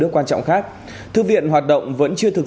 được đánh giá